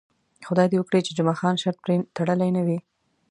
خدای دې وکړي چې جمعه خان شرط پرې تړلی نه وي.